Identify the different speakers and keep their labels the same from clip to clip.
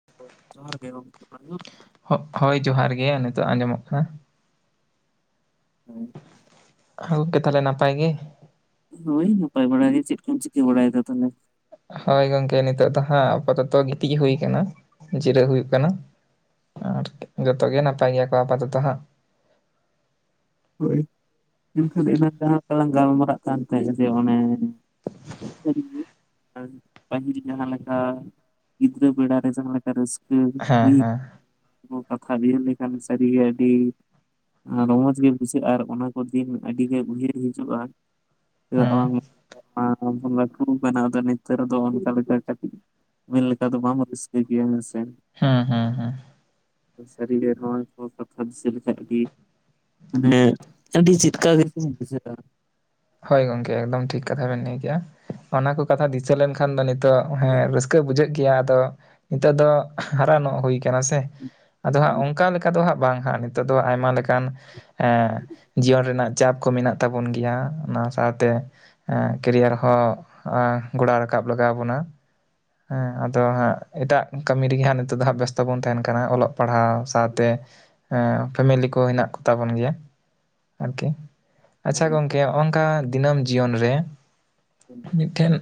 Speaker 1: [inaudible]
Speaker 2: ᱡᱚᱦᱟᱨ ᱜᱮ ᱜᱟᱝᱠᱮ ᱟᱡᱚᱢᱚᱜ ᱠᱟᱱᱟ
Speaker 1: ᱦᱚᱜ ᱦᱳᱭ ᱡᱚᱦᱟᱨ ᱜᱮ ᱱᱤᱛᱚᱜ ᱟᱸᱡᱚᱢᱚᱜ ᱠᱟᱱᱟ
Speaker 2: ᱦᱩᱸ
Speaker 1: ᱦᱳ ᱜᱚᱢᱠᱮ ᱛᱟᱦᱚᱞᱮ ᱱᱟᱯᱟᱭ ᱜᱮ
Speaker 2: ᱦᱳᱭ ᱱᱟᱯᱟᱭ ᱵᱟᱲᱟ ᱜᱮ ᱪᱮᱫ ᱠᱚᱢ ᱪᱤᱠᱟᱹ ᱵᱟᱲᱟᱭᱫᱟ ᱛᱟᱦᱚᱞᱮ
Speaker 1: ᱦᱳᱭ ᱜᱚᱝᱠᱮ ᱱᱤᱛᱚᱜ ᱫᱚ ᱦᱟᱸᱜ ᱟᱯᱟᱛᱚᱛᱚ ᱜᱤᱛᱤᱡ ᱦᱩᱭᱟᱠᱟᱱᱟ ᱡᱤᱨᱟᱹᱜᱣ ᱦᱩᱭᱩᱜ ᱠᱟᱱᱟ ᱟᱨ ᱡᱚᱛᱚᱜ ᱜᱮ ᱱᱟᱯᱟᱭ ᱜᱮᱭᱟ ᱠᱚ ᱟᱯᱟᱛᱚᱛᱚ ᱦᱟᱸᱜ
Speaker 2: ᱦᱳᱭ ᱮᱱᱠᱷᱟᱱ ᱮᱱᱟᱝ ᱡᱟᱦᱟᱸ ᱞᱮᱠᱟᱞᱟᱝ ᱜᱟᱞᱢᱟᱨᱟᱜ ᱠᱟᱱ ᱛᱟᱦᱮᱸᱫ ᱜᱮ ᱚᱱᱮ ᱥᱟᱹᱨᱤ ᱜᱮ ᱯᱟᱹᱦᱤᱞ ᱡᱟᱦᱟᱸ ᱞᱮᱠᱟ ᱜᱤᱫᱽᱨᱟᱹ ᱵᱮᱲᱟᱨᱮ ᱡᱟᱦᱟᱸᱮ ᱞᱮᱠᱟ ᱨᱟᱹᱥᱠᱟᱹ ᱦᱩᱸ
Speaker 1: ᱦᱮᱸ ᱦᱮᱸ
Speaker 2: ᱠᱚ ᱠᱟᱛᱷᱟ ᱜᱤᱲ ᱞᱮᱠᱷᱟᱱ ᱥᱟᱹᱨᱤᱜᱮ ᱟᱹᱰᱤ ᱨᱚᱢᱚᱡᱽ ᱜᱮ ᱵᱩᱡᱷᱟᱹᱜᱼᱟ ᱟᱨ ᱚᱱᱟ ᱠᱚ ᱫᱤᱱ ᱟᱹᱰᱤᱜᱮ ᱩᱭᱟᱹᱨ ᱦᱤᱡᱩᱜᱼᱟ
Speaker 1: ᱦᱩᱸ
Speaker 2: ᱪᱮᱫᱟᱜ ᱵᱟᱝ ᱟᱢᱫᱚᱢ ᱞᱟᱴᱷᱩ ᱠᱟᱱᱟ ᱟᱫᱚ ᱱᱤᱛᱚᱜ ᱨᱮ ᱫᱚ ᱚᱝᱠᱟ ᱞᱮᱠᱟ ᱠᱟᱹᱴᱤᱡ ᱢᱮᱱ ᱞᱮᱠᱟ ᱫᱚ ᱵᱟᱢ ᱨᱟᱹᱥᱠᱟᱹ ᱜᱮᱭᱟ ᱦᱮᱸᱥᱮ
Speaker 1: ᱦᱩᱸ ᱦᱩᱸ ᱦᱩᱸ
Speaker 2: ᱥᱟ. ᱨᱤ ᱜᱮ ᱮᱠᱷᱚᱱ ᱠᱟᱛᱷᱟ ᱫᱤᱥᱟ. ᱞᱮᱱᱠᱷᱟᱡ ᱜᱮ ᱢᱟᱱᱮ ᱟᱹᱰᱤ ᱪᱮᱫᱠᱟ ᱜᱮᱪᱚᱝ ᱵᱩᱡᱷᱟᱹᱟ
Speaker 1: ᱦᱳᱭ ᱜᱚᱢᱠᱮ ᱮᱠᱫᱚᱢ ᱴᱷᱤᱠ ᱠᱟᱛᱷᱟ ᱵᱮᱱ ᱞᱟᱹᱭ ᱠᱮᱜᱼᱟ ᱚᱱᱟ ᱠᱚ ᱠᱟᱛᱷᱟ ᱫᱤᱥᱟᱹ ᱞᱮᱱᱠᱷᱟᱱ ᱫᱚ ᱱᱤᱛᱚᱜ ᱦᱮᱸ ᱨᱟᱹᱥᱠᱟᱹ ᱵᱩᱡᱷᱟᱹᱜ ᱜᱮᱭᱟ ᱟᱫᱚ ᱱᱤᱛᱚᱜ ᱫᱚ ᱦᱟᱨᱟᱱᱚᱜ ᱦᱩᱭ ᱠᱟᱱᱟ ᱥᱮ ᱟᱫᱚ ᱦᱟᱸᱜ ᱚᱱᱠᱟ ᱞᱮᱠᱟ ᱚᱱᱠᱟ ᱫᱚ ᱦᱟᱸᱜ ᱵᱟᱝ ᱦᱟᱜ ᱱᱤᱛᱚᱜ ᱫᱚ ᱟᱭᱢᱟ ᱞᱮᱠᱟᱱ ᱡᱤᱭᱚᱱ ᱨᱮᱱᱟᱜ ᱪᱟᱯ ᱠᱚ ᱢᱮᱱᱟᱜ ᱛᱟᱵᱚᱱ ᱜᱮᱭᱟ ᱚᱱᱟ ᱥᱟᱶᱛᱮ ᱠᱮᱨᱤᱭᱟᱨ ᱦᱚᱸ ᱜᱚᱲᱚᱳ ᱨᱟᱠᱟᱵ ᱞᱟᱜᱟᱣ ᱟᱵᱚᱱᱟ ᱦᱮᱸ ᱟᱫᱚ ᱦᱟᱸᱜ ᱮᱴᱟᱜ ᱠᱟᱹᱢᱤ ᱨᱮᱜᱮ ᱦᱟᱸᱜ ᱱᱤᱛᱚᱜ ᱫᱚ ᱦᱟᱸᱜ ᱵᱮᱥᱛᱚ ᱵᱚᱱ ᱛᱟᱦᱮᱱ ᱠᱟᱱᱟ ᱚᱞᱚᱜ ᱯᱟᱲᱦᱟᱣ ᱥᱟᱶᱛᱮᱴ ᱯᱷᱮᱢᱮᱞᱤ ᱠᱚ ᱦᱮᱱᱟᱜ ᱠᱚᱛᱟ ᱵᱚᱱ ᱜᱮᱭᱟ ᱟᱨᱠᱤ ᱟᱪᱷᱟ ᱜᱚᱢᱠᱮᱝᱠᱟ ᱫᱤᱱᱟᱹᱢ ᱡᱤᱭᱚᱱ ᱨᱮ ᱢᱤᱫᱴᱮᱱ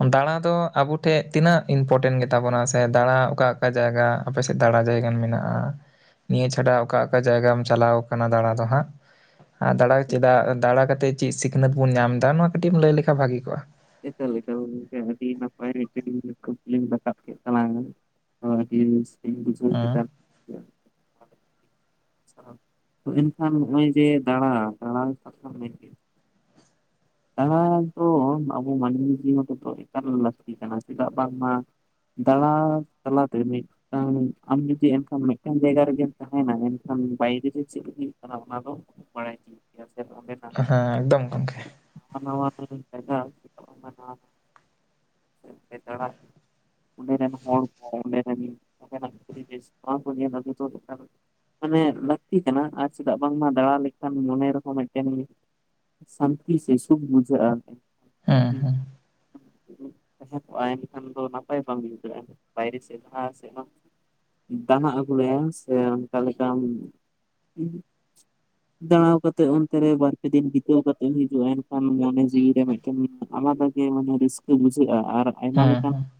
Speaker 1: ᱦᱮᱸ ᱫᱟᱬᱟ ᱫᱚ ᱟᱵᱚ ᱴᱷᱮᱱ ᱛᱤᱱᱟᱹᱜ ᱤᱢᱯᱚᱴᱮᱱ ᱜᱮᱛᱟ ᱵᱚᱱᱟ ᱥᱮ ᱫᱟᱬᱟ ᱚᱠᱟ ᱚᱠᱟ ᱡᱟᱭᱜᱟ ᱟᱯᱮ ᱥᱮᱫ ᱫᱟᱬᱟ ᱡᱟᱭᱜᱟᱱ ᱢᱮᱱᱟᱜ-ᱟ ᱱᱤᱭᱟᱹ ᱪᱷᱟᱰᱟ ᱚᱠᱟ ᱚᱠᱟ ᱡᱟᱭᱜᱟᱢ ᱪᱟᱞᱟᱣ ᱟᱠᱟᱱᱟ ᱫᱟᱬᱟ ᱫᱚ ᱦᱟᱸᱜ ᱟᱨ ᱫᱟᱬᱟ ᱪᱮᱫᱟᱜ ᱫᱟᱬᱟ ᱠᱟᱛᱮᱫ ᱪᱮᱫ ᱥᱤᱠᱷᱱᱟᱹᱛ ᱵᱚᱱ ᱧᱟᱢ ᱮᱫᱟ ᱱᱚᱣᱟ ᱠᱟᱹᱴᱤᱡ ᱮᱢ ᱞᱟᱹᱭ ᱞᱮᱠᱷᱟᱱ ᱵᱷᱟᱹᱜᱤ ᱠᱚᱜ-ᱟ
Speaker 2: [unintelligible] ᱱᱟᱯᱟᱭ [unintelligible]
Speaker 1: ᱦᱮᱸ
Speaker 2: ᱪᱮᱛ [unintelligible] ᱮᱱᱠᱷᱟᱱ ᱱᱚᱜ-ᱚᱭ ᱡᱮ ᱫᱟᱬᱟ ᱫᱟᱬᱟ ᱢᱮᱱ ᱫᱟᱬᱟ ᱫᱚ ᱟᱵᱚ ᱢᱟᱱᱢᱤ ᱡᱤᱭᱚᱱ ᱨᱮᱫᱚ ᱮᱠᱟᱞ ᱞᱟᱜᱛᱤ ᱠᱟᱱᱟ ᱪᱮᱫᱟᱜ ᱵᱟᱝᱢᱟ ᱫᱲᱟ ᱪᱞᱟᱛᱮ ᱱ ᱟᱢ ᱡᱩᱫᱤ ᱮᱱᱠᱷᱟᱱ ᱢᱤᱫᱴᱟᱱ ᱡᱟᱭᱜᱟ ᱨᱮᱜᱮᱢ ᱛᱟᱦᱮᱱᱟ ᱮᱱᱠᱷᱟᱱ ᱵᱟᱭᱨᱮ ᱨᱮ ᱪᱮᱫ ᱦᱩᱭᱩᱜ ᱚᱱᱟ ᱢᱟᱲᱟᱭ ᱜᱮᱭᱟ ᱥᱮ [unintelligible]
Speaker 1: ᱦᱮᱸ ᱮᱠᱫᱚᱢ ᱜᱚᱢᱠᱮ
Speaker 2: ᱱᱟ ᱡᱜᱟ [unintelligible] ᱚᱸᱰᱮ ᱨᱮᱱ ᱦᱚᱲ ᱠᱚ ᱚᱸᱰᱮ ᱠᱚ ᱤᱡ ᱢᱟᱱᱮ ᱞᱟᱹᱠᱛᱤ ᱠᱟᱱᱟ ᱟᱨ ᱪᱮᱫᱟᱜ ᱵᱟᱝᱢᱟ ᱫᱟᱟᱲᱟ ᱞᱮᱠᱷᱟᱱ ᱢᱚᱱᱮ ᱨᱮᱦᱚᱸ ᱢᱤᱫᱴᱮᱱ ᱥᱟᱱᱛᱤ ᱥᱮ ᱥᱩᱠ ᱵᱩᱡᱟ-ᱟ ᱴᱷ
Speaker 1: ᱦᱮᱸ
Speaker 2: ᱜᱮ [inaudible] [unintelligible]
Speaker 1: ᱦᱮᱸ
Speaker 2: ᱛᱟᱦᱮᱸ ᱠᱚᱜ-ᱟ ᱮᱱᱠᱷᱟᱱ ᱫᱚ ᱱᱟᱯᱟᱭ ᱵᱟᱝ ᱵᱩᱡᱷᱟᱹᱜ-ᱟ ᱵᱟᱭᱨᱮ ᱥᱮᱫ ᱞᱟᱦᱟ ᱥᱮᱫ ᱦᱚᱸ ᱫᱟᱱᱟᱱᱟᱜ ᱟᱹᱜᱩ ᱞᱮᱭᱟ ᱥᱮ ᱚᱱᱠᱟ ᱞᱮᱠᱟᱢ ᱤᱡ ᱫᱟᱲᱟ ᱠᱟᱛᱮᱜ ᱚᱱᱛᱮ ᱨᱮ ᱵᱟᱨ ᱯᱮ ᱫᱤᱱ ᱵᱤᱛᱟᱹᱣ ᱠᱟᱛᱮᱢ ᱦᱤᱡᱩᱜ-ᱟ ᱮᱱᱠᱷᱟᱱ ᱢᱚᱱᱮ ᱡᱤᱣᱤ ᱨᱮ ᱟᱭᱢᱟᱜᱮ ᱢᱟᱱᱮ ᱨᱟᱹᱥᱠᱟᱹ ᱵᱩᱡᱷᱟᱹᱜ-ᱟ ᱟᱨ ᱟᱭᱢᱟ
Speaker 1: ᱦᱮᱸ
Speaker 2: ᱞᱮᱠᱟᱱ
Speaker 1: ᱦᱮᱸ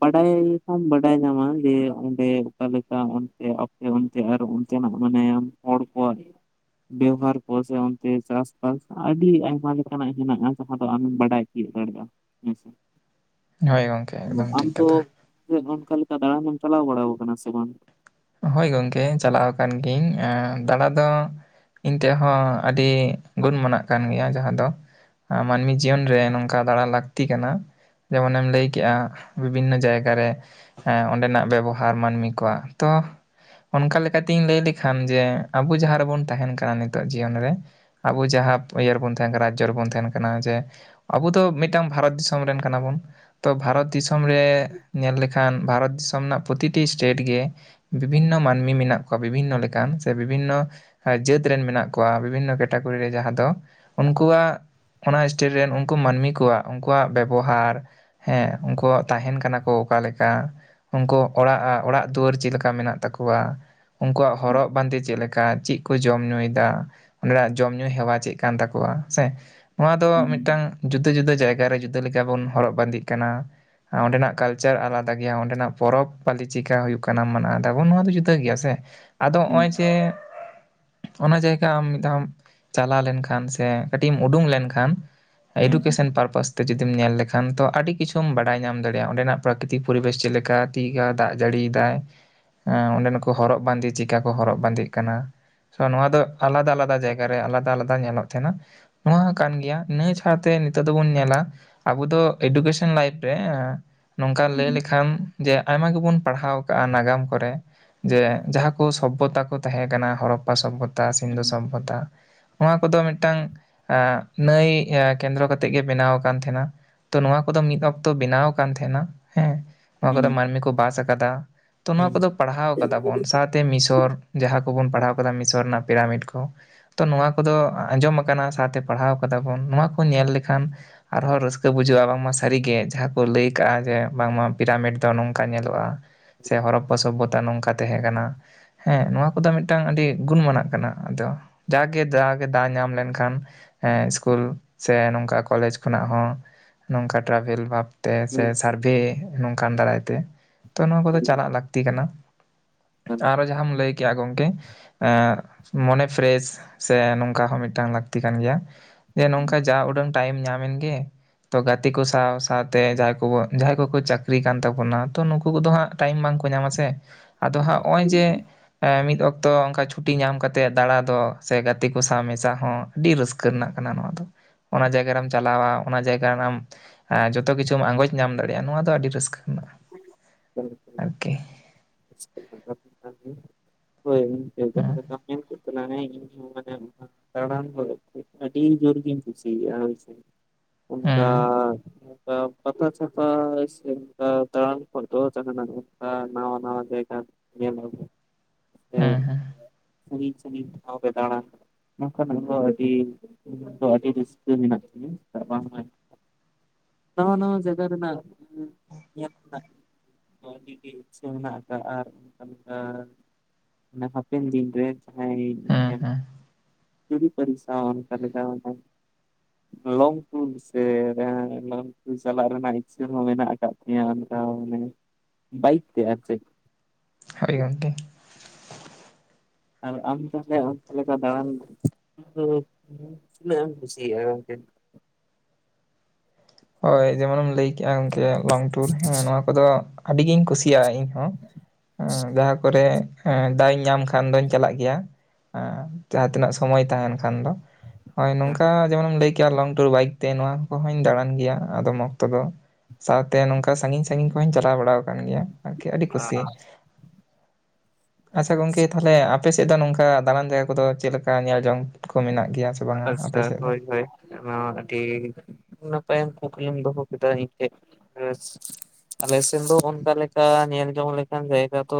Speaker 2: ᱵᱟᱰᱟᱭ ᱠᱷᱚᱱ ᱵᱟᱰᱟᱭ ᱧᱟᱢᱟ ᱡᱮ ᱚᱸᱰᱮ ᱚᱠᱟᱞᱮᱠᱟ ᱚᱱᱛᱮ ᱚᱱᱛᱮ ᱟᱨ ᱚᱱᱛᱮᱱᱟᱜ ᱢᱟᱱᱮ ᱦᱚᱲ ᱠᱚᱣᱟ ᱵᱮᱵᱷᱟᱨ ᱠᱚ ᱥᱮ ᱚᱱᱛᱮ ᱪᱟᱥᱵᱟᱥ ᱟᱹᱰᱤ ᱟᱭᱢᱟ ᱞᱮᱠᱟᱱᱟᱜ ᱦᱮᱱᱟᱜ-ᱟ ᱟᱫᱚ ᱟᱢᱮᱢ ᱵᱟᱰᱟᱭ ᱛᱤᱭᱜ ᱫᱟᱲᱮᱭᱟᱜ-ᱟ ᱦᱮᱸᱥᱮ
Speaker 1: ᱦᱳᱭ ᱜᱚᱢᱠᱮ ᱮᱠᱫᱚᱢ
Speaker 2: ᱟᱢ
Speaker 1: ᱴᱷᱤᱠ
Speaker 2: ᱫᱚ
Speaker 1: ᱠᱟᱛᱷᱟ
Speaker 2: ᱚᱱᱠᱟᱹᱞᱮᱠᱟ ᱫᱟᱬᱟᱱ ᱮᱢ ᱪᱟᱞᱟᱣ ᱵᱟᱲᱟ ᱠᱟᱱᱟ ᱥᱮ ᱵᱟᱝ
Speaker 1: ᱦᱳᱭ ᱜᱚᱢᱠᱮ ᱪᱟᱞᱟᱣ ᱟᱠᱟᱱ ᱜᱤᱭᱟᱹᱧ ᱫᱟᱬᱟ ᱫᱚ ᱤᱧ ᱴᱷᱮᱱ ᱦᱚᱸ ᱟᱹᱰᱤ ᱜᱩᱱᱢᱟᱱᱟᱜ ᱠᱟᱱ ᱜᱮᱭᱟ ᱡᱟᱦᱟᱸ ᱫᱚ ᱢᱟᱹᱱᱢᱤ ᱡᱤᱭᱚᱱ ᱨᱮ ᱱᱚᱝᱠᱟ ᱫᱟᱬᱟ ᱞᱟᱹᱠᱛᱤ ᱠᱟᱱᱟ ᱡᱮᱢᱚᱱᱮᱢ ᱞᱟᱹᱭ ᱠᱮᱜ-ᱟ ᱵᱤᱵᱷᱤᱱᱱᱚ ᱡᱟᱭᱜᱟ ᱨᱮ ᱚᱸᱰᱮᱱᱟᱜ ᱵᱮᱵᱚᱦᱟᱨ ᱢᱟᱹᱱᱢᱤ ᱠᱚᱣᱟᱜ ᱛᱚ ᱚᱱᱠᱟ ᱞᱮᱠᱟᱛᱤᱧ ᱞᱟᱹᱭ ᱞᱮᱠᱷᱟᱱ ᱡᱮ ᱟᱵᱚ ᱡᱟᱦᱟᱸ ᱨᱮᱵᱚᱱ ᱛᱟᱦᱮᱱ ᱠᱟᱱᱟ ᱱᱤᱛᱚᱜ ᱡᱤᱭᱚᱱ ᱨᱮ ᱟᱵᱚ ᱡᱟᱦᱟᱸ ᱤᱭᱟᱹ ᱨᱮᱵᱚᱱ ᱛᱟᱦᱮᱱ ᱠᱟᱱᱟ ᱨᱟᱡᱽᱡᱚ ᱨᱮᱵᱚᱱ ᱛᱟᱦᱮᱱ ᱠᱟᱱᱟ ᱡᱮ ᱟᱵᱚ ᱫᱚ ᱢᱤᱫᱴᱟᱝ ᱵᱷᱟᱨᱚᱛ ᱫᱤᱥᱚᱢ ᱨᱮᱱ ᱠᱟᱱᱟ ᱵᱚᱱ ᱛᱚ ᱵᱷᱟᱨᱚᱛ ᱫᱤᱥᱚᱢ ᱨᱮ ᱧᱮᱞ ᱞᱮᱠᱷᱟᱱ ᱵᱷᱟᱨᱚᱛ ᱫᱤᱥᱚᱢ ᱨᱮᱱᱟᱜ ᱯᱨᱚᱛᱤᱴᱤ ᱥᱴᱮᱴ ᱜᱮ ᱵᱤᱵᱷᱤᱱᱱᱚ ᱢᱟᱹᱱᱢᱤ ᱢᱮᱱᱟᱜ ᱠᱚᱣᱟ ᱵᱤᱵᱷᱤᱱᱱᱚ ᱞᱮᱠᱟᱱ ᱥᱮ ᱵᱤᱵᱷᱤᱱᱱᱚ ᱡᱟᱹᱛ ᱨᱮᱱ ᱢᱮᱱᱟᱜ ᱠᱚᱣᱟ ᱵᱤᱵᱷᱤᱱᱱᱚ ᱠᱮᱴᱟᱜᱚᱨᱤ ᱨᱮ ᱡᱟᱦᱟᱸ ᱫᱚ ᱩᱱᱠᱩᱣᱟᱜ ᱚᱱᱟ ᱥᱴᱮᱴ ᱨᱮᱱ ᱩᱱᱠᱩ ᱢᱟᱹᱱᱢᱤ ᱠᱚᱣᱟᱜ ᱩᱱᱠᱩᱣᱟᱜ ᱵᱮᱵᱚᱦᱟᱨ ᱦᱮᱸ ᱩᱱᱠᱩᱣᱟᱜ ᱛᱟᱦᱮᱱ ᱠᱟᱱᱟ ᱠᱚ ᱚᱠᱟ ᱞᱮᱠᱟ ᱩᱱᱠᱩ ᱚᱲᱟᱜ ᱚᱲᱟᱜ ᱫᱩᱣᱟᱹᱨ ᱪᱮᱫ ᱞᱮᱠᱟ ᱞᱮᱠᱟ ᱢᱮᱱᱟᱜ ᱛᱟᱠᱚᱣᱟ ᱩᱱᱠᱩᱣᱟᱜ ᱦᱚᱨᱚᱜ ᱵᱟᱸᱫᱮ ᱪᱮᱫ ᱞᱮᱠᱟ ᱪᱮᱫ ᱠᱚ ᱡᱚᱢ ᱧᱩᱭᱮᱫᱟ ᱚᱸᱰᱮᱱᱟᱜ ᱡᱚᱢ ᱧᱩ ᱦᱮᱣᱟ ᱪᱮᱫ ᱠᱟᱱ ᱛᱟᱠᱚᱣᱟ ᱥᱮ ᱱᱚᱣᱟ ᱫᱚ ᱢᱤᱫᱴᱟᱝ ᱡᱩᱫᱟᱹ ᱡᱩᱫᱟᱹ ᱡᱟᱭᱜᱟ ᱨᱮ ᱡᱩᱫᱟᱹ ᱞᱮᱠᱟ ᱵᱚᱱ ᱦᱚᱨᱚᱜ ᱵᱟᱸᱫᱮᱜ ᱠᱟᱱᱟ᱾ ᱚᱸᱰᱮᱱᱟᱜ ᱠᱟᱞᱪᱟᱨ ᱟᱞᱟᱫᱟ ᱜᱮᱭᱟ ᱚᱸᱰᱮᱱᱟᱜ ᱯᱚᱨᱚᱵᱽ ᱯᱟᱹᱞᱤ ᱪᱤᱠᱟ ᱦᱩᱭᱩᱜ ᱠᱟᱱᱟ ᱢᱟᱱᱮ ᱛᱟᱵᱚᱱ ᱱᱚᱣᱟ ᱫᱚ ᱡᱩᱫᱟᱹ ᱜᱮᱭᱟ ᱥᱮ ᱟᱫᱚ ᱱᱚᱜᱼᱚᱭ ᱡᱮ ᱚᱱᱟ ᱡᱟᱭᱜᱟ ᱟᱢ ᱢᱤᱫ ᱫᱷᱟᱣᱢ ᱪᱟᱞᱟᱣ ᱞᱮᱱᱠᱷᱟᱱ ᱥᱮ ᱠᱟᱹᱴᱤᱡ ᱮᱢ ᱩᱰᱩᱠ ᱞᱮᱱᱠᱷᱟᱱ ᱮᱰᱩᱠᱮᱥᱮᱱ ᱯᱟᱨᱯᱟᱥ ᱠᱚ ᱛᱮ ᱡᱩᱫᱤᱢ ᱧᱮᱞ ᱞᱮᱠᱷᱟᱱ ᱛᱚ ᱟᱹᱰᱤ ᱠᱤᱪᱩᱢ ᱵᱟᱰᱟᱭ ᱧᱟᱢ ᱫᱟᱲᱮᱼᱟ ᱚᱸᱰᱮᱱᱟᱜ ᱯᱨᱟᱠᱨᱤᱛᱤᱠ ᱯᱚᱨᱤᱵᱮᱥ ᱪᱮᱫ ᱞᱮᱠᱟ᱾ ᱫᱤᱜᱟ ᱫᱟᱜ ᱡᱟᱹᱲᱤᱭᱮᱫᱟᱭ ᱮ ᱚᱸᱰᱮᱱ ᱠᱚ ᱦᱚᱨᱚᱜ ᱵᱟᱸᱫᱮ ᱪᱤᱠᱟ ᱠᱚ ᱦᱚᱨᱚᱜ ᱵᱟᱸᱫᱮᱜ ᱠᱟᱱᱟ? ᱱᱚᱣᱟ ᱫᱚ ᱟᱞᱟᱫᱟ ᱟᱞᱟᱫᱟ ᱡᱟᱭᱜᱟ ᱨᱮ ᱟᱞᱟᱫᱟ ᱟᱞᱟᱫᱟ ᱧᱮᱞᱚᱜ ᱛᱟᱦᱮᱸᱱᱟ᱾ ᱱᱚᱣᱟ ᱦᱚᱸ ᱠᱟᱱ ᱜᱮᱭᱟ ᱤᱱᱟᱹ ᱥᱟᱶᱛᱮ ᱱᱤᱛᱚᱜ ᱫᱚᱵᱚᱱ ᱧᱮᱞᱟ᱾ ᱟᱵᱚ ᱫᱚ ᱮᱰᱩᱠᱮᱥᱚᱱ ᱞᱟᱭᱤᱯᱷ ᱨᱮ ᱱᱚᱝᱠᱟ ᱞᱟᱹᱭ ᱞᱮᱠᱷᱟᱱ ᱡᱮ ᱟᱭᱢᱟ ᱜᱮᱵᱚᱱ ᱯᱟᱲᱦᱟᱣ ᱟᱠᱟᱟᱜ-ᱟ ᱱᱟᱜᱟᱢ ᱨᱮ ᱡᱮ ᱡᱟᱦᱟᱸ ᱠᱚ ᱥᱚᱵᱷᱚᱛᱟ ᱠᱚ ᱛᱟᱦᱮᱸ ᱠᱟᱱᱟ ᱦᱚᱨᱚᱯᱯᱟ ᱥᱚᱵᱷᱚᱛᱟ ᱥᱤᱱᱫᱷᱩ ᱥᱚᱵᱷᱚᱛᱟ ᱱᱚᱣᱟ ᱠᱚᱫᱚ ᱢᱤᱫᱴᱟᱝ ᱱᱟᱹᱭ ᱠᱮᱱᱫᱨᱚ ᱠᱟᱛᱮᱜ ᱜᱮ ᱵᱮᱱᱟᱣ ᱟᱠᱟᱱ ᱛᱟᱦᱮᱸ-ᱟ᱾ ᱛᱚ ᱱᱚᱣᱟ ᱠᱚᱫᱚ ᱢᱤᱫ ᱚᱠᱛᱚ ᱵᱮᱱᱟᱣ ᱟᱠᱟᱱ ᱛᱟᱦᱮᱱᱟ ᱦᱮᱸ ᱱᱚᱣᱟ ᱠᱚᱫᱚ ᱢᱟᱹᱱᱢᱤ ᱠᱚ ᱵᱟᱥ ᱟᱠᱟᱫᱟ ᱛᱚ ᱱᱚᱣᱟ ᱠᱚ ᱯᱟᱲᱦᱟᱣ ᱠᱟᱫᱟ ᱵᱚᱱ ᱥᱟᱶᱛᱮ ᱢᱤᱥᱚᱨ ᱡᱟᱦᱟᱸ ᱠᱚᱵᱚᱱ ᱯᱟᱲᱦᱟᱣ ᱠᱟᱫᱟ ᱢᱤᱥᱚᱨ ᱨᱮᱱᱟᱜ ᱯᱮᱨᱟᱢᱤᱰ ᱠᱚ᱾ ᱛᱚ ᱱᱚᱣᱟ ᱠᱚᱫᱚ ᱟᱸᱡᱚᱢ ᱟᱠᱟᱱᱟ ᱥᱟᱶᱛᱮ ᱯᱟᱲᱦᱟᱣ ᱠᱟᱫᱟᱵᱚᱱ ᱱᱚᱣᱟ ᱠᱚ ᱧᱮᱞ ᱞᱮᱠᱷᱟᱱ ᱟᱨᱦᱚᱸ ᱨᱟᱹᱥᱠᱟᱹ ᱵᱩᱡᱷᱟᱹᱜᱼᱟ ᱵᱟᱝᱢᱟ ᱥᱟᱹᱨᱤᱜᱮ ᱡᱟᱦᱟᱸ ᱠᱚ ᱞᱟᱹᱭ ᱠᱟᱜᱼᱟ ᱡᱮ ᱵᱟᱝᱢᱟ ᱯᱤᱨᱟᱢᱤᱰ ᱫᱚ ᱱᱚᱝᱠᱟ ᱧᱮᱞᱚᱜᱼᱟ᱾
Speaker 2: [unintelligible]
Speaker 1: ᱚᱥᱚᱵᱷᱚᱛᱟ ᱱᱚᱝᱠᱟ ᱛᱟᱦᱮᱸ ᱠᱟᱱᱟ ᱦᱮᱸ ᱱᱚᱣᱟ ᱠᱚᱫᱚ ᱢᱤᱫᱴᱟᱝ ᱟᱹᱰᱤ ᱜᱩᱱᱢᱟᱱᱟᱜ ᱠᱟᱱᱟ ᱟᱫᱚ᱾ ᱡᱟᱜᱮ ᱡᱟᱜᱮ ᱫᱟᱣ ᱧᱟᱢ ᱞᱮᱱᱠᱷᱟᱱ ᱦᱮᱸ ᱥᱠᱩᱞ ᱥᱮ ᱱᱚᱝᱠᱟ ᱠᱚᱞᱮᱮᱡ ᱠᱷᱚᱱᱟᱜ ᱦᱚᱸ ᱱᱚᱝᱠᱟ ᱴᱨᱟᱵᱷᱮᱞ ᱵᱷᱟᱵ ᱛᱮ ᱥᱮ ᱥᱟᱨᱵᱷᱮ ᱱᱚᱝᱠᱟᱱ ᱫᱟᱨᱟᱭᱛᱮ ᱛᱚ ᱱᱚᱣᱟ ᱠᱚᱫᱚ ᱪᱟᱞᱟᱜ ᱞᱟᱹᱠᱛᱤ ᱠᱟᱱᱟ᱾ ᱟᱨᱦᱚᱸ ᱡᱟᱦᱟᱸᱢ ᱞᱟᱹᱭ ᱠᱮᱜᱼᱟ ᱜᱚᱢᱠᱮ ᱮᱜ ᱢᱚᱱᱮ ᱯᱷᱨᱮᱥ ᱥᱮ ᱱᱚᱝᱠᱟ ᱦᱚᱸ ᱢᱤᱫᱴᱟᱝ ᱞᱟᱹᱠᱛᱤ ᱠᱟᱱ ᱜᱮᱭᱟ᱾ ᱡᱮ ᱱᱚᱝᱠᱟ ᱡᱟ ᱩᱰᱟᱹᱝ ᱴᱟᱭᱤᱢ ᱧᱟᱢ ᱮᱱ ᱜᱮ ᱛᱚ ᱜᱟᱛᱮ ᱠᱚ ᱥᱟᱶ ᱥᱟᱶᱛᱮ ᱡᱟᱦᱟᱸᱭ ᱠᱚᱠᱚ ᱪᱟᱹᱠᱨᱤ ᱠᱟᱱ ᱛᱟᱵᱚᱱᱟ ᱛᱚ ᱱᱩᱠᱩ ᱠᱚᱫᱚ ᱦᱟᱸᱜ ᱴᱟᱭᱤᱢ ᱵᱟᱝ ᱠᱚ ᱧᱟᱢ ᱥᱮ ᱟᱫᱚ ᱦᱟᱸᱜ ᱱᱚᱜᱼᱚᱭ ᱡᱮ ᱢᱤᱫ ᱚᱠ ᱛᱚ ᱚᱱᱠᱟ ᱪᱷᱩᱴᱤ ᱧᱟᱢ ᱠᱟᱛᱮᱫ ᱫᱟᱬᱟ ᱫᱚ ᱥᱮ ᱜᱟᱛᱮ ᱠᱚ ᱥᱟᱶ ᱢᱮᱥᱟ ᱦᱚᱸ ᱟᱹᱰᱤ ᱨᱟᱹᱥᱠᱟᱹ ᱨᱮᱱᱟᱜ ᱠᱟᱱᱟ᱾ ᱱᱚᱣᱟ ᱫᱚ ᱚᱱᱟ ᱡᱟᱭᱜᱟ ᱨᱮᱢ ᱪᱟᱞᱟᱣᱟ ᱚᱱᱟ ᱡᱟᱭᱜᱟ ᱨᱮ ᱡᱚᱛᱚ ᱠᱤᱪᱷᱩ ᱟᱸᱜᱚᱡ ᱧᱟᱢ ᱫᱟᱲᱮᱭᱟᱜᱼᱟ ᱱᱚᱣᱟ ᱫᱚ ᱟᱹᱰᱤ ᱨᱟᱹᱥᱠᱟᱹ ᱠᱟᱱᱟ᱾
Speaker 2: ᱦᱮᱞᱳ ᱦᱮᱞᱳ [unintelligible] ᱟᱵᱤᱱ ᱦᱳᱭ ᱡᱟᱦᱟᱸ
Speaker 1: ᱦᱮᱸ
Speaker 2: ᱠᱟᱛᱷᱟᱢ ᱢᱮᱱ ᱠᱮᱫ ᱛᱟᱞᱟᱝ ᱟᱭᱟ ᱤᱧ ᱦᱚᱸ ᱚᱱᱟ ᱜᱮ ᱫᱟᱬᱟᱱ ᱫᱚ ᱟᱹᱰᱤ ᱡᱩᱨ ᱜᱮᱧ ᱠᱷᱩᱥᱤᱭᱟᱜ-ᱟ᱾ ᱩᱱᱠᱟ
Speaker 1: ᱦᱮᱸ,
Speaker 2: ᱯᱟᱛᱷᱟ ᱪᱷᱟᱛᱟ ᱥᱮ ᱫᱟᱬᱟᱱ ᱠᱷᱚᱡ ᱫᱚ ᱡᱟᱦᱟᱸᱱᱟᱜ ᱱᱟᱣᱟ ᱱᱟᱣᱟ ᱡᱟᱭᱜᱟ ᱧᱮᱞ ᱟᱵᱚ ᱥᱮ
Speaker 1: ᱦᱮᱸ, ᱦᱮᱸ,
Speaker 2: ᱥᱟᱺᱜᱤᱧ ᱥᱟᱺᱜᱤᱧ ᱴᱷᱟᱶ ᱨᱮ ᱫᱟᱬᱟᱱ᱾ ᱚᱱᱠᱟᱱᱟ ᱫᱚ ᱟᱹᱰᱤ ᱫᱚ ᱟᱹᱰᱤ ᱨᱟᱹᱥᱠᱟᱹ ᱢᱮᱱᱟᱜ ᱛᱤᱧᱟᱹ ᱪᱮᱫᱟᱜ ᱵᱟᱝᱢᱟ ᱱᱟᱣᱟ ᱱᱟᱣᱟ ᱡᱟᱭᱜᱟ ᱨᱮᱱᱟᱜ ᱟᱹᱰᱤ ᱜᱮ ᱤᱪᱪᱷᱟᱹ ᱢᱮᱱᱟᱜ ᱠᱟᱜ-ᱟ ᱚᱱᱠᱟ ᱚᱱᱟ ᱦᱟᱯᱮᱱ ᱫᱤᱱ ᱨᱮ ᱡᱟᱦᱟᱭ
Speaker 1: ᱦᱮᱸ, ᱦᱮᱸ,
Speaker 2: ᱡᱩᱨᱤ ᱯᱟᱨᱥᱤ ᱥᱟᱶ ᱚᱱᱠᱟ ᱞᱮᱠᱟ ᱞᱚᱝᱴᱩᱨ ᱥᱮ ᱞᱚᱝᱴᱩᱨ ᱪᱟᱞᱟᱜ ᱨᱮᱱᱟᱜ ᱤᱪᱪᱷᱟᱹ ᱦᱚᱸ ᱢᱮᱱᱟᱜ ᱟᱠᱟᱫ ᱛᱤᱧᱟᱹ ᱚᱱᱠᱟ ᱢᱟᱱᱮ ᱵᱟᱭᱤᱠ ᱛᱮ ᱟᱨ ᱪᱮᱫ
Speaker 1: ᱦᱳᱭ ᱜᱚᱢᱠᱮ
Speaker 2: ᱟᱨ ᱟᱢ ᱛᱟᱦᱚᱞᱮ ᱚᱱᱠᱟ ᱞᱮᱠᱟ ᱫᱟᱬᱟᱱ ᱫᱚ ᱛᱤᱱᱟᱹᱜ ᱮᱢ ᱠᱩᱥᱤᱭᱟᱜᱼᱟ ᱜᱚᱢᱠᱮ?
Speaker 1: ᱦᱳᱭ ᱡᱮᱢᱚᱱᱮᱢ ᱞᱟᱹᱭ ᱠᱮᱫᱼᱟ ᱜᱚᱝᱠᱮ ᱞᱚᱝ ᱴᱩᱨ ᱦᱮᱸ ᱱᱚᱣᱟ ᱠᱚᱫᱚ ᱟᱹᱰᱤ ᱜᱤᱧ ᱠᱩᱥᱤᱭᱟᱜᱼᱟ ᱤᱧ᱾ ᱦᱚᱸ ᱡᱟᱦᱟᱸ ᱠᱚᱨᱮ ᱮᱸ ᱫᱟᱣ ᱤᱧ ᱧᱟᱢ ᱠᱷᱟᱱ ᱫᱚᱧ ᱪᱟᱞᱟᱜ ᱜᱮᱭᱟ ᱟᱸᱡᱟᱦᱟᱸ ᱛᱤᱱᱟᱹᱜ ᱥᱚᱢᱚᱭ ᱛᱟᱦᱮᱸᱱ ᱠᱷᱟᱱ ᱫᱚᱺ ᱦᱚᱭ ᱱᱚᱝᱠᱟ ᱡᱮᱢᱚᱱᱮᱢ ᱞᱟᱹᱭ ᱠᱮᱭᱟ ᱞᱚᱝ ᱴᱩᱨ ᱵᱟᱭᱤᱠ ᱛᱮ ᱱᱚᱣᱟ ᱠᱩᱦᱚᱧ ᱫᱟᱬᱟᱼᱼ ᱜᱮᱭᱟ ᱟᱫᱚᱢ ᱚᱠᱛᱚ ᱫᱚ ᱥᱟᱶᱛᱮ ᱱᱚᱝᱠᱟ ᱥᱟᱸᱜᱤᱧ ᱥᱟᱺᱜᱤᱧ ᱠᱚᱦᱚᱧ ᱪᱟᱞᱟᱣ ᱵᱟᱲᱟᱣ ᱠᱟᱱ ᱜᱮᱭᱟ᱾ ᱟᱨ ᱤᱠ ᱟᱹᱰᱤ
Speaker 2: ᱟᱪᱪᱷᱟ
Speaker 1: ᱠᱩᱥᱤ, ᱟᱪᱪᱷᱟ ᱜᱚᱝᱠᱮ ᱛᱟᱦᱚᱞᱮ‌ ᱟᱯᱼᱼ ᱯᱮ ᱥᱮᱜ ᱫᱚ ᱱᱚᱝᱠᱟ ᱫᱟᱬᱟᱱ ᱡᱟᱭᱜᱟ ᱠᱚᱫᱚ ᱪᱮᱜ ᱞᱮᱠᱟ ᱧᱮᱞ ᱡᱚᱝ ᱠᱚ ᱢᱮᱱᱟᱜ ᱜᱮᱭᱟ ᱥᱮᱼᱼ
Speaker 2: ᱟᱞᱮ ‌ᱥᱮᱫ ᱦᱳᱭ ᱦᱳᱭ ᱚᱱᱟ ᱦᱚᱸ ᱟᱹᱰᱤᱼᱼ ᱱᱟᱯᱟᱭᱟᱝ ᱠᱩᱠᱞᱤᱢ ᱫᱚᱦᱚ ᱠᱮᱫᱟ ᱤ‌ᱧ ᱴᱷᱮᱡ ᱦᱮᱸᱥᱼᱼ ᱟᱞᱮ ᱥᱮᱱ ᱫᱚ ᱚᱱᱠᱟ ᱞᱮᱠᱟ ᱧᱮᱞ ᱡᱚᱝ ᱞᱮᱠᱟᱱ ᱡᱟᱭᱜᱟ ᱛᱚᱼᱼ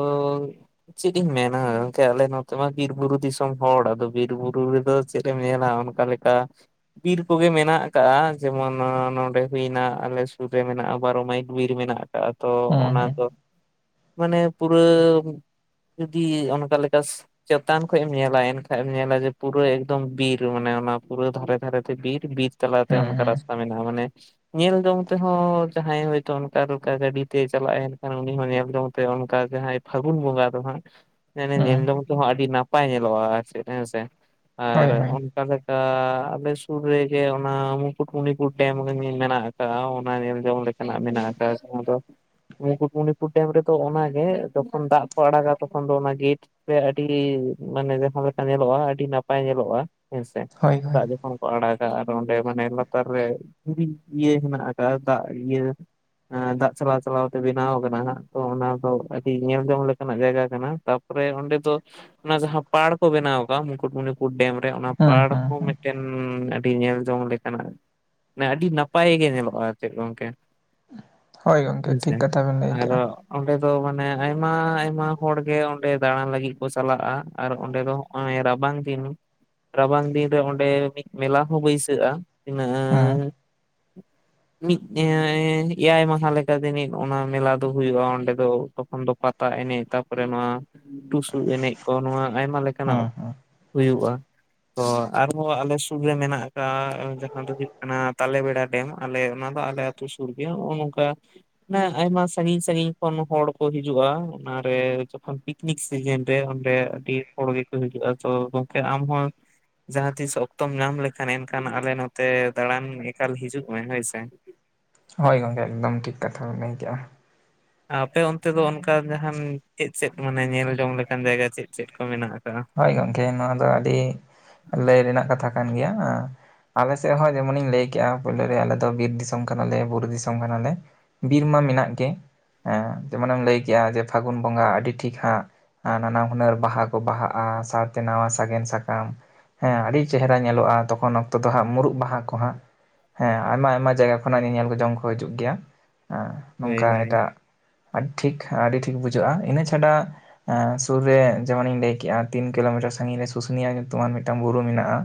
Speaker 2: ᱪᱤᱫ ᱤᱧ ᱢᱮᱱᱟ ᱜᱚᱝᱠᱮ ᱟᱞᱮ ᱱᱚᱛᱮ ᱢᱟ ᱵᱤᱨ ᱵᱩᱨᱩ ᱫᱤᱥᱚᱢ ᱦᱚᱲ ᱟᱫᱚ ᱵᱤᱨ ᱵᱩᱨᱩ ᱨᱮᱫᱚ ᱪᱮᱫᱼᱼ ᱧᱮᱞᱟ ᱚᱱᱠᱟ ᱞᱮᱠᱟ ᱵᱤᱨ ᱠᱚᱜᱮ ᱢᱮᱱᱟᱜ ᱟᱠᱟᱜ-ᱟ ᱡᱮᱢᱚᱱ ᱱᱚᱸᱰᱮ ᱦᱩᱭᱱᱟ ᱟᱞᱮ ᱥᱩᱨ ᱨᱮ ᱢᱮᱱᱟᱜ-ᱟ ᱵᱟᱨᱚ ᱢᱟᱹᱭᱤᱞ ᱵᱤᱨ ᱢᱮᱱᱟᱜ ᱟᱠᱟᱫᱟ᱾ ᱟᱨ ᱛᱚ
Speaker 1: ᱦᱩᱸ,
Speaker 2: ᱚᱱᱟ
Speaker 1: ᱦᱩᱸ,
Speaker 2: ᱫᱚ ᱢᱟᱱᱮ ᱯᱩᱨᱟᱹᱢᱼᱼ ᱡᱩᱫᱤ ᱚᱱᱠᱟ ᱞᱮᱠᱟᱥ ᱪᱮᱛᱟᱱ ᱠᱷᱚᱡ ᱮᱢ ᱧᱮᱞᱟ ᱮᱱᱠᱷᱟᱡ ᱮᱢ ᱧᱮᱞᱟ ᱡᱮ ᱯᱩᱨᱟᱹ ᱮᱠᱼᱼ ᱮᱠᱫᱚᱢ ᱵᱤᱨ ᱢᱟᱱᱮ ᱚᱱᱟ ᱯᱩᱨᱟᱹ ᱫᱷᱟᱨᱮ ᱫᱷᱟᱨᱮ ᱛᱮ ᱵᱤᱨ ᱵᱤᱨ ᱛᱟᱞᱟ ᱛᱮ
Speaker 1: ᱦᱩᱸ,
Speaker 2: ᱚᱱᱠᱟ
Speaker 1: ᱦᱩᱸ᱾
Speaker 2: ᱨᱟᱥᱛᱟ ᱢᱮᱱᱟᱜ-ᱟ ᱢᱟᱱᱮᱼᱼ ᱧᱮᱞ ᱡᱚᱝ ᱛᱮᱦᱚᱸ ᱡᱟᱦᱟᱸᱭ ᱦᱚᱭᱛᱚ ᱚᱱᱠᱟ ᱨᱚᱠᱟ ᱜᱟᱹᱰᱤ ᱛᱮᱭ ᱪᱟᱞᱟᱜ ᱮᱱᱠᱷᱟᱱ ᱩᱱᱤ ᱦᱚᱸᱭ ᱧᱮᱞ ᱡᱚᱝᱼᱼ ᱛᱮ ᱚᱱᱠᱟ ᱡᱟᱦᱟᱸᱭ ᱯᱷᱟᱹᱜᱩᱱ ᱵᱚᱸᱜᱟ ᱫᱚ ᱦᱟᱸᱜᱼᱼ ᱮᱱᱮ ᱧᱮᱞ
Speaker 1: ᱦᱩᱸ
Speaker 2: ᱡᱚᱝ ᱛᱮᱦᱚᱸ ᱟᱰᱤ ᱱᱟᱯᱟᱭ ᱧᱮᱞᱚᱜ-ᱟ ᱦᱮᱸ ᱥᱮ ᱾ ᱟᱨ
Speaker 1: ᱦᱳᱭ ᱦᱳᱭ
Speaker 2: ᱚᱱᱠᱟ ᱞᱮᱠᱟ ᱟᱞᱮ ᱥᱩᱨ ᱨᱮᱜᱮ ᱚᱱᱟ ᱢᱩᱠᱩᱴᱢᱩᱱᱤᱯᱩᱨ ᱰᱮᱢ ᱨᱮ ᱢᱮᱱᱟᱜ ᱟᱠᱼᱼ ᱠᱟᱜ-ᱟ ᱚᱱᱟ ᱧᱮᱞ ᱡᱚᱝ ᱞᱮᱠᱟ ᱱᱟᱜ ᱢᱮᱱᱟᱜ ᱟᱠᱟᱜ-ᱟ ᱡᱟᱦᱟᱸ ᱫᱚᱼᱼ ᱢᱩᱠᱩᱴᱢᱩᱱᱤᱯᱩᱨ ᱰᱮᱢ ᱨᱮᱫᱚ ᱚᱱᱟᱜ ᱜᱮ ᱡᱚᱠᱷᱚᱱ ᱫᱟᱜ ᱠᱚ ᱟᱲᱟᱜᱟ ᱛᱚᱠᱷᱚᱱ ᱫᱚ ᱚᱱᱟ ᱜᱮᱴᱼᱼ ᱥᱮ ᱟᱹᱰᱤ ᱢᱟᱱᱮ ᱡᱟᱦᱟᱸ ᱞᱮᱠᱟ ᱧᱮᱞᱚᱜ-ᱟ ᱟᱹᱰᱤ ᱱᱟᱯᱟᱭ ᱧᱮᱞᱚᱜ-ᱟ ᱦᱮᱸ ᱥᱮ
Speaker 1: ᱦᱳᱭ ᱦᱳᱭ
Speaker 2: ᱫᱟᱜ ᱡᱚᱠᱷᱚᱱᱼᱼ ᱠᱚ ᱟᱲᱟᱜᱟ ᱟᱨ ᱚᱸᱰᱮ ᱢᱟᱱᱮ ᱞᱟᱛᱟᱨ ᱨᱮ ᱫᱩᱨᱤᱡ ᱤᱭᱟᱹ ᱦᱮᱱᱟᱜ ᱟᱠᱟᱜ-ᱟ ᱫᱟᱜ ᱤᱭᱟᱹᱼᱼ ᱮᱸ ᱫᱟᱜ ᱪᱟᱞᱟᱣ ᱪᱟᱞᱟᱣ ᱛᱮ ᱵᱮᱱᱟᱣ ᱟᱠᱟᱱᱟ ᱦᱟᱸᱜ ᱛᱚ ᱚᱱᱟ ᱫᱚ ᱟᱹᱰᱤ ᱧᱮᱞ ᱡᱚᱝ ᱞᱮᱠᱟ ᱱᱟᱜ ᱡᱟᱭᱜᱟ ᱠᱟᱱᱟ ᱛᱟᱯᱼᱼ ᱯᱚᱨᱮ ᱚᱸᱰᱮ ᱫᱚ ᱚᱱᱟ ᱡᱟᱦᱟᱸ ᱯᱟᱲ ᱠᱚ ᱵᱮᱱᱟᱣ ᱟᱠᱟᱜ ᱢᱩᱠᱩᱴᱢᱩᱱᱤᱯᱩᱨ ᱰᱮᱢ ᱨᱮ ᱚᱱᱟ
Speaker 1: ᱦᱩᱸ
Speaker 2: ᱯᱟᱲ
Speaker 1: ᱦᱩᱸ
Speaker 2: ᱦᱚᱸ
Speaker 1: ᱦᱩᱸ
Speaker 2: ᱢᱮᱜᱼᱼ ᱴᱮᱱ ᱟᱹᱰᱤ ᱧᱮᱞ ᱡᱚᱝ ᱞᱮᱠᱟ ᱱᱟᱜᱼᱼ ᱢᱟᱱᱮ ᱟᱹᱰᱤ ᱱᱟᱯᱟᱭ ᱜᱮ ᱧᱮᱞᱚᱜ-ᱟ ᱪᱮᱫ ᱜᱚᱝᱠᱮ,
Speaker 1: ᱦᱳᱭ ᱜᱚᱝᱠᱮ
Speaker 2: ᱦᱮᱸᱥᱮ
Speaker 1: ᱴᱷᱤᱠ ᱠᱟᱛᱷᱟ ᱵᱮᱱ ᱞᱟᱹᱭ
Speaker 2: ᱟᱨᱚᱼᱼ
Speaker 1: ᱠᱮᱜᱼᱟ
Speaker 2: ᱚᱸᱰᱮ ᱫᱚ ᱢᱟᱱᱮ ᱟᱭᱢᱟ ᱟᱭᱢᱟ ᱦᱚᱲ ᱜᱮ ᱚᱸᱰᱮ ᱫᱟᱬᱟᱱ ᱞᱟᱹᱜᱤᱫ ᱠᱚ ᱪᱟᱞᱟᱜ-ᱟ ᱟᱨ ᱚᱸᱰᱮ ᱫᱚᱼᱼ ᱚᱸᱭ ᱨᱟᱵᱟᱝ ᱫᱤᱱᱼᱼ ᱨᱟᱵᱟᱝ ᱫᱤᱱ ᱨᱮ ᱚᱸᱰᱮ ᱢᱤᱫ ᱢᱮᱞᱟ ᱦᱚᱸ ᱵᱟᱹᱭᱥᱟᱹᱜ-ᱟ
Speaker 1: ᱦᱩᱸ
Speaker 2: ᱛᱤᱱᱟᱹᱝᱼᱼ ᱦᱩᱜ᱾ ᱢᱤᱫ ᱮ ᱮᱭᱟᱭ ᱢᱟᱦᱟᱸ ᱞᱮᱠᱟ ᱡᱟᱹᱱᱤᱡ ᱚᱱᱟ ᱢᱮᱞᱟ ᱫᱚ ᱦᱩᱭᱩᱜ-ᱟ ᱚᱸᱰᱮ ᱫᱚ ᱛᱚᱠᱷᱚᱱ ᱫᱚ ᱯᱟᱼᱼ ᱛᱟ ᱮᱱᱮᱡ ᱛᱟᱨᱯᱚᱨᱮ ᱱᱚᱣᱟ ᱴᱩᱥᱩ ᱮᱱᱮᱡ ᱠᱚ ᱱᱚᱣᱟ ᱟᱭᱢᱟ ᱞᱮᱠᱟ ᱱᱟᱜᱼᱼ
Speaker 1: ᱦᱩᱸ ᱦᱩᱸ
Speaker 2: ᱦᱩᱭᱩᱜ-ᱟ᱾ ᱛᱚ ᱟᱨᱦᱚᱸ ᱟᱞᱮ ᱥᱩᱨ ᱨᱮ ᱢᱮᱱᱟᱜ ᱟᱠᱟᱜ-ᱟ ᱡᱟᱦᱟᱸ ᱫᱚ ᱦᱩᱭᱩᱜ ᱠᱟᱱᱟ ᱛᱟᱞᱮ ᱵᱮᱲᱟ ᱰᱮᱢ ᱟᱞᱮ ᱚᱱᱟ ᱫᱚ ᱟᱞᱮ ᱟᱹᱼᱼ ᱛᱩ ᱥᱩᱨ ᱜᱮᱭᱟ ᱚᱱ ᱱᱚᱝᱠᱟᱼ ᱢᱟᱱᱮ ᱟᱭᱢᱟ ᱥᱟᱺᱜᱤᱧ ᱥᱟᱺᱜᱤᱧ ᱠᱷᱚᱱ ᱦᱚᱲ ᱠᱚ ᱦᱤᱡᱩᱜ-ᱟ ᱚᱱᱟ ᱨᱮ ᱡᱚᱠᱷᱚᱱ ᱞᱤᱠᱼᱼ ᱱᱤᱠ ᱥᱤᱡᱮᱱ ᱨᱮ ᱚᱱᱰᱮ ᱟᱹᱰᱤ ᱦᱚᱲ ᱜᱮᱠᱚ ᱦᱤᱡᱩᱜ-ᱟ ᱪᱚ ᱜᱟᱝᱠᱮ ᱟᱢ ᱦᱚᱸᱼᱼ ᱡᱟᱦᱟᱸ ᱛᱤᱥ ᱚᱠᱛᱚᱢ ᱧᱟᱢ ᱞᱮᱠᱷᱟᱱ ᱮᱱᱠᱷᱟᱱ ᱟᱞᱮ ᱱᱚᱛᱮ ᱫᱟᱬᱟᱱ ᱮᱠᱟᱞ ᱦᱤᱡᱩᱜ ᱢᱮ ᱦᱳᱭ ᱥᱮ᱾
Speaker 1: ᱦᱚᱭ ᱜᱚᱝᱠᱮ ᱮᱠᱫᱚᱢ ᱴᱷᱤᱠ ᱠᱟᱛᱷᱟᱢ ᱞᱟᱹᱭ ᱠᱮᱜ-ᱟ᱾
Speaker 2: ᱟᱯᱮ ᱚᱱᱛᱮ ᱫᱚ ᱚᱱᱠᱟᱱ ᱡᱟᱦᱟᱸᱱ ᱪᱮᱫ ᱥᱮᱫ ᱢᱟᱱᱮ ᱧᱮᱞ ᱡᱚᱝ ᱞᱮᱠᱟᱱ ᱡᱟᱭᱜᱟ ᱪᱮᱫ ᱪᱮᱫ ᱠᱚ ᱢᱮᱱᱟᱜ ᱟᱠᱟᱜ-ᱟ?
Speaker 1: ᱦᱚᱭ ᱜᱚᱝᱠᱮ ᱱᱚᱣᱟ ᱫᱚ ᱟᱹᱰᱤ ᱞᱟᱹᱭ ᱨᱮᱱᱟᱜ ᱠᱟᱛᱷᱟ ᱠᱟᱱ ᱜᱮᱭᱟᱸᱻ᱾ ᱟᱞᱮ ᱥᱮᱫ ᱦᱚᱸ ᱡᱮᱢᱚᱱᱤᱧ ᱞᱟᱹᱭ ᱠᱮᱜ-ᱟ ᱯᱳᱭᱞᱳ ᱨᱮ ᱟᱞᱮ ᱫᱚ ᱵᱤᱨ ᱫᱤᱥᱚᱢ ᱠᱟᱱᱟ ᱞᱮ ᱵᱩᱨᱩ ᱫᱤᱥᱚᱢ ᱠᱟᱱᱟ ᱞᱮᱼᱼ ᱵᱤᱨ ᱢᱟ ᱢᱮᱱᱟᱜ ᱜᱮ᱾ ᱮᱸ ᱡᱮᱢᱚᱱᱮᱢ ᱞᱟᱹᱭ ᱠᱮᱜ-ᱟ ᱡᱮ ᱯᱷᱟᱹᱜᱩᱱ ᱵᱚᱸᱜᱟ ᱟᱹᱰᱤ ᱴᱷᱤᱠ ᱦᱟᱸᱜ ᱟᱸᱻ ᱱᱟᱱᱟ ᱦᱩᱱᱟᱹᱨ ᱵᱟᱦᱟ ᱠᱚ ᱵᱟᱦᱟᱜᱼᱼ ᱟ ᱥᱟᱶᱛᱮ ᱱᱟᱣᱟ ᱥᱟᱜᱮᱱ ᱥᱟᱠᱟᱢᱼᱼ ᱦᱮᱸ ᱟᱹᱰᱤ ᱪᱮᱦᱨᱟ ᱧᱮᱞᱚᱜ-ᱟ ᱛᱚᱠᱷᱚᱱ ᱚᱠᱛᱚ ᱫᱚ ᱦᱟᱸᱜ ᱢᱩᱨᱩᱜ ᱵᱟᱦᱟ ᱠᱚ ᱦᱟᱸᱜᱼᱼ ᱦᱮᱸ ᱟᱭᱢᱟ ᱟᱭᱢᱟ ᱡᱟᱭᱜᱟ ᱠᱷᱚᱱᱟᱜ ᱧᱮᱧᱮᱞ ᱡᱚᱝ ᱠᱚ ᱦᱤᱡᱩᱜ ᱜᱮᱭᱟ ᱦᱮᱸ
Speaker 2: ᱦᱳᱭ
Speaker 1: ᱱᱚᱝᱠᱟ
Speaker 2: ᱦᱳᱭ
Speaker 1: ᱮᱴᱟᱜᱼᱼ ᱟᱴᱴᱷᱤᱠ ᱟᱹᱰᱤ ᱴᱷᱤᱠ ᱵᱩᱡᱷᱟᱹᱜ-ᱟ ᱤᱱᱟᱹ ᱪᱷᱟᱰᱟ ᱮᱸ ᱥᱩᱨ ᱨᱮ ᱡᱮᱢᱚᱱᱤᱧ ᱞᱟᱹᱭ ᱠᱮᱜ-ᱟᱼ ᱛᱤᱱ ᱠᱤᱞᱳᱢᱤᱴᱟᱨ ᱥᱟᱺᱜᱤᱧ ᱨᱮ ᱥᱩᱥᱩᱱᱤᱭᱟ ᱧᱩᱛᱩᱢᱟᱱ ᱢᱤᱫᱴᱟᱝ ᱵᱩᱨᱩ ᱢᱮᱱᱟᱜ-ᱟ᱾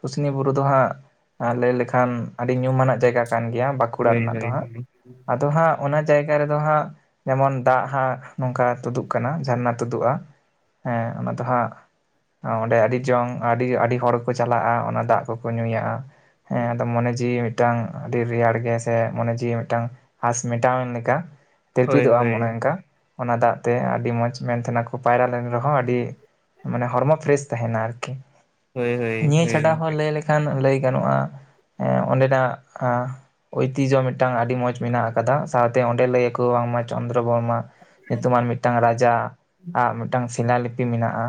Speaker 1: ᱥᱩᱥᱱᱤ ᱵᱩᱨᱩ ᱫᱚ ᱦᱟᱸᱜ ᱞᱟᱹᱭ ᱞᱮᱠᱷᱟᱱ ᱟᱹᱰᱤ ᱧᱩᱢᱟᱱᱟᱜ ᱡᱟᱭᱜᱟ ᱠᱟᱱ ᱜᱮᱭᱟ ᱵᱟᱸᱠᱩᱲᱟ
Speaker 2: ᱦᱳᱭ
Speaker 1: ᱨᱮᱱᱟᱜ ᱫᱚ
Speaker 2: ᱦᱳᱭ
Speaker 1: ᱦᱟᱸᱜ
Speaker 2: ᱦᱳᱭ
Speaker 1: ᱟᱫᱚ ᱦᱟᱸᱜ ᱚᱱᱟ ᱡᱟᱭᱜᱟ ᱨᱮᱫᱚ ᱦᱟᱸᱜ ᱡᱮᱢᱚᱱ ᱫᱟᱜ ᱦᱟᱸᱜ ᱱᱚᱝᱠᱟ ᱛᱩᱫᱩᱜ ᱠᱟᱱᱟ ᱡᱷᱟᱨᱱᱟ ᱛᱩᱫᱩᱜᱼᱟ ᱾ ᱦᱮᱸ ᱚᱱᱟ ᱫᱚ ᱦᱟᱸᱜ ᱚᱸᱰᱮ ᱟᱹᱰᱤ ᱡᱚᱝ ᱟᱹᱰᱤ ᱟᱹᱰᱤ ᱦᱚᱲ ᱠᱚ ᱪᱟᱞᱟᱜᱼᱟ ᱚᱱᱟ ᱫᱟᱜ ᱠᱚᱠᱚ ᱧᱩᱭᱟᱼᱟ ᱦᱮᱸ ᱟᱫᱚ ᱢᱚᱱᱮ ᱡᱤᱣᱤ ᱢᱤᱫᱴᱟᱝ ᱟᱹᱰᱤ ᱨᱮᱭᱟᱲ ᱜᱮ ᱥᱮ ᱢᱚᱱᱮ ᱡᱤᱣᱤ ᱢᱤᱫᱴᱟᱝ ᱟᱸᱥ ᱢᱮᱴᱟᱣᱮᱱ ᱞᱮᱠᱟ
Speaker 2: ᱦᱳᱭ
Speaker 1: ᱛᱤᱨᱯᱤᱫᱚᱜᱼᱟ
Speaker 2: ᱦᱳᱭ
Speaker 1: ᱢᱚᱱᱮ ᱚᱱᱠᱟ ᱚᱱᱟ ᱫᱟᱜ ᱛᱮ ᱟᱹᱰᱤ ᱢᱚᱸᱡᱽ ᱢᱮᱱ ᱛᱟᱦᱮᱱᱟ ᱠᱚ ᱯᱟᱭᱨᱟ ᱞᱮᱱ ᱨᱮᱦᱚᱸ ᱟᱹᱰᱤ ᱢᱟᱱᱮ ᱦᱚᱲᱢᱚ ᱯᱷᱨᱮᱥ ᱛᱟᱦᱮᱱᱟ ᱟᱨᱠᱤ
Speaker 2: ᱦᱳᱭ ᱦᱳᱭ
Speaker 1: ᱱᱤᱭᱟᱹ
Speaker 2: ᱦᱳᱭ
Speaker 1: ᱪᱷᱟᱰᱟ ᱦᱚᱸ
Speaker 2: ᱜᱚᱝᱠᱮ
Speaker 1: ᱞᱟᱹᱭ ᱞᱮᱠᱷᱟᱱ ᱞᱟᱹᱭ ᱜᱟᱱᱚᱜᱼᱟ ᱚᱸᱰᱮᱱᱟᱜ ᱳᱭᱛᱤᱡᱚ ᱢᱤᱫᱴᱟᱝ ᱟᱹᱰᱤ ᱢᱚᱸᱡᱽ ᱢᱮᱱᱟᱜ ᱟᱠᱟᱫᱟ ᱥᱟᱶᱛᱮ ᱚᱸᱰᱮ ᱞᱟᱹᱭᱟ ᱠᱚ ᱵᱟᱝ ᱢᱟ ᱪᱚᱱᱫᱽᱨᱚ ᱵᱚᱨᱢᱟᱼᱼ ᱧᱩᱛᱩᱢᱟᱱ ᱢᱤᱫᱴᱟᱝ ᱨᱟᱡᱟ ᱟᱜ ᱢᱤᱫᱴᱟᱝ ᱥᱤᱞᱟ ᱞᱤᱯᱤ ᱢᱮᱱᱟᱜ-ᱟ᱾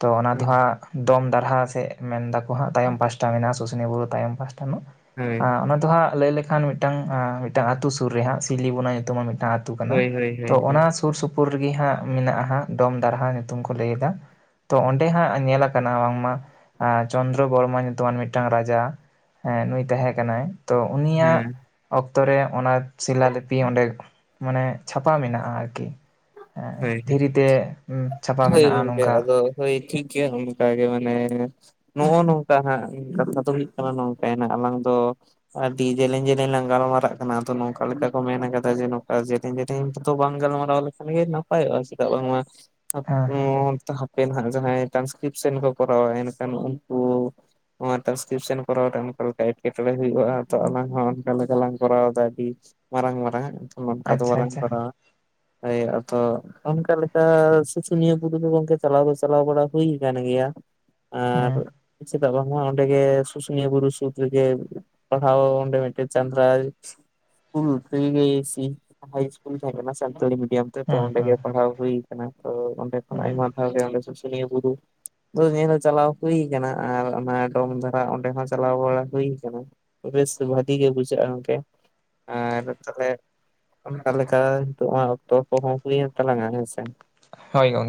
Speaker 1: ᱛᱚ ᱚᱱᱟ ᱫᱚ
Speaker 2: ᱦᱳᱭ
Speaker 1: ᱦᱟᱸᱜ ᱫᱚᱢ ᱫᱟᱨᱦᱟ ᱥᱮᱫ ᱢᱮᱱ ᱫᱟᱠᱚ ᱦᱟᱸᱜ ᱛᱟᱭᱚᱢ ᱯᱟᱥᱴᱟ ᱢᱮᱱᱟᱜᱼᱟ ᱥᱩᱥᱱᱤ ᱵᱩᱨᱩ ᱛᱟᱭᱚᱢ ᱯᱟᱥᱴᱟ ᱯᱷᱩᱱᱩᱜ
Speaker 2: ᱦᱳᱭ
Speaker 1: ᱟ ᱚᱱᱟ ᱦᱟᱸᱜ ᱞᱟᱹᱭ ᱞᱮᱠᱷᱟᱱ ᱢᱤᱫᱴᱟᱝ ᱢᱤᱫᱴᱟᱝ ᱟ ᱟᱹᱛᱩ ᱥᱩᱨ ᱨᱮ ᱦᱟᱸᱜ ᱥᱤᱣᱞᱤᱵᱚᱱᱟ ᱧᱩᱛᱩᱢ ᱢᱤᱫᱴᱟᱝ ᱟᱹᱛᱩ ᱠᱟᱱᱟ
Speaker 2: ᱦᱳᱭ ᱦᱳᱭ
Speaker 1: ᱛᱚ
Speaker 2: ᱦᱳᱭ ᱦᱳᱭ
Speaker 1: ᱚᱱᱟ ᱥᱩᱨ ᱥᱩᱯᱩᱨ ᱨᱮᱜᱮ ᱦᱟᱸᱜ ᱢᱮᱱᱟᱜᱼᱟᱜ ᱫᱚᱢ ᱫᱟᱨᱦᱟ ᱧᱩᱛᱩᱢ ᱠᱚ ᱞᱟᱹᱭᱮᱫᱟ ᱛᱚ ᱚᱸᱰᱮ ᱦᱟᱸᱜ ᱧᱮᱞ ᱠᱟᱱᱟ ᱵᱟᱝᱢᱟ ᱪᱚᱱᱫᱨᱚ ᱵᱚᱨᱢᱟ ᱧᱩᱛᱩᱢᱟᱱ ᱢᱤᱫᱴᱟᱝ ᱨᱟᱡᱟ ᱦᱮᱸ ᱱᱩᱭ ᱛᱟᱦᱮᱸ ᱠᱟᱱᱟᱭ ᱛᱚ ᱩᱱᱤᱭᱟᱜ
Speaker 2: ᱦᱮᱸ
Speaker 1: ᱚᱠᱛᱚ ᱨᱮ ᱚᱱᱟ ᱥᱤᱞᱟ ᱞᱤᱯᱤ ᱚᱸᱰᱮ ᱢᱟᱱᱮ ᱪᱷᱟᱯᱟ ᱢᱮᱱᱟᱜᱼᱟ ᱟᱨᱠᱤ
Speaker 2: ᱦᱳᱭ
Speaker 1: ᱫᱷᱤᱨᱤ ᱛᱮ
Speaker 2: ᱦᱳᱭ ᱜᱚᱝᱠᱮ ᱟᱫᱚ ᱦᱳᱭ ᱴᱷᱤᱠ ᱜᱮᱭᱟ ᱚᱱᱠᱟᱜ ᱜᱮ ᱢᱟᱱᱮ ᱱᱚᱜᱼᱚ ᱱᱚᱝᱠᱟ ᱦᱟᱸᱜ ᱠᱟᱛᱷᱟ ᱫᱚ ᱦᱩᱭᱩᱜ ᱠᱟᱱᱟ ᱱᱚᱝᱠᱭᱱᱟ ᱟᱞᱟᱝ ᱫᱚ ᱟᱰᱤ ᱡᱮᱞᱮᱧ ᱡᱮᱞᱮᱧ ᱞᱟᱝ ᱜᱟᱞᱢᱟᱨᱟᱜ ᱠᱟᱱᱟ ᱟᱫᱚ ᱱᱚᱝᱠᱟ ᱞᱮᱠᱟ ᱠᱚ ᱢᱮᱱ ᱠᱟᱫᱟ ᱡᱮ ᱱᱚᱠᱟ ᱡᱮ [unintelligible] ᱵᱟᱝ ᱜᱟᱞᱢᱟᱨᱟᱣ ᱞᱮᱠᱷᱟᱱ ᱜᱮ ᱱᱟᱯᱟᱭᱚᱜᱼᱟ ᱪᱮᱫᱟᱜ ᱵᱟᱝᱢᱟ
Speaker 1: ᱦᱮᱸ ᱦᱮᱸ
Speaker 2: ᱦᱟᱯᱮ ᱱᱟᱦ ᱡᱟᱦᱟᱸᱭ ᱴᱨᱟᱱᱥᱠᱨᱤᱯᱥᱮᱱ ᱠᱚ ᱠᱚᱨᱟᱣᱟ ᱮᱱᱠᱷᱟᱱ ᱩᱱᱠᱩ ᱚᱱᱟ ᱴᱨᱟᱱᱥᱠᱨᱤᱯᱥᱮᱱ ᱠᱚᱨᱟᱣ ᱨᱮ ᱚᱠᱟ ᱞᱮᱠᱟ ᱮᱴᱠᱮᱴᱚᱬᱮ ᱦᱩᱭᱩᱜᱼᱟ ᱛᱚ ᱟᱞᱟ ᱦᱚᱸ ᱚᱱᱠᱟ ᱞᱮᱠᱟᱞᱟᱝ ᱠᱚᱨᱟᱣᱫᱟ ᱟᱹᱰᱤ ᱢᱟᱨᱟᱝ ᱢᱟᱨᱟᱝ ᱚᱱᱠᱟ ᱫᱚ
Speaker 1: ᱟᱪᱪᱷᱟ
Speaker 2: ᱵᱟᱞᱟᱝ
Speaker 1: ᱟᱪᱪᱷᱟ
Speaker 2: ᱠᱚᱨᱟᱣᱟ ᱦᱚᱭ ᱟᱛ ᱚᱱᱠᱟ ᱞᱮᱠᱟ ᱥᱩᱥᱩᱱᱤᱭᱟᱹ ᱵᱩᱨᱩ ᱫᱚ ᱜᱚᱝᱠᱮ ᱪᱟᱞᱟᱣ ᱫᱚ ᱪᱟᱞᱟᱣ ᱵᱟᱲᱟ ᱦᱩᱭ ᱠᱟᱱ ᱜᱮᱭᱟ ᱟᱨ
Speaker 1: ᱦᱮᱸ
Speaker 2: ᱵᱟᱝᱟ ᱚᱸᱰᱮ ᱜᱮ ᱥᱩᱥᱩᱱᱤᱭᱟᱹ ᱵᱩᱨᱩ ᱥᱩᱨ ᱨᱮᱜᱮ ᱯᱟᱲᱦᱟᱣ ᱚᱸᱰᱮ ᱢᱤᱫᱴᱮᱡ ᱪᱟᱸᱫᱲᱟ [unintelligible] ᱜᱮᱟᱹᱭ ᱥᱤ ᱦᱟᱭᱥᱠᱩᱞ ᱛᱟᱦᱮᱱᱟ ᱥᱟᱱᱛᱟᱞᱤ ᱢᱤᱰᱤᱭᱢ ᱛᱚ
Speaker 1: ᱦᱮᱸ
Speaker 2: ᱚᱸᱰᱮ ᱜᱮ
Speaker 1: ᱦᱮᱸ
Speaker 2: ᱯᱟᱲᱦᱟᱣ ᱦᱩᱭ ᱠᱟᱱᱟ ᱛᱚ ᱚᱸᱰᱮ ᱠᱷᱚᱱ
Speaker 1: ᱦᱮᱸ
Speaker 2: ᱟᱭᱢᱟ ᱫᱷᱟᱶ ᱜᱮ ᱚᱸᱰᱮ ᱥᱩᱥᱩᱱᱤᱭᱟᱹ ᱵᱩᱨᱩ ᱚ ᱦᱮᱸ ᱫᱟ ᱪᱟᱞᱟᱣ ᱦᱩᱭ ᱠᱟᱱᱟ ᱟᱨ ᱚᱱᱟ ᱰᱚᱢ ᱫᱷᱟᱨᱟ ᱚᱸᱰᱮ ᱦᱚᱸ ᱪᱟᱞᱟᱣ ᱵᱟᱲᱟ ᱦᱩᱭ ᱠᱟᱱᱟ ᱵᱮᱥ ᱫᱚ ᱵᱷᱟᱹᱜᱤ ᱜᱮ ᱵᱩᱡᱷᱟᱹᱜᱼᱟ ᱜᱚᱝᱠᱮ ᱟᱨ ᱛᱟᱞᱮ ᱚᱱᱠᱟ ᱞᱮᱠᱟ ᱧᱤᱛᱚᱜ ᱢᱟ ᱚᱠᱛᱚ ᱠᱚᱦᱚᱸ ᱦᱩᱭ ᱮᱱ ᱛᱟᱞᱟᱝᱼᱟ ᱦᱮᱸᱥᱮ
Speaker 1: ᱦᱳᱭ ᱜᱚᱝ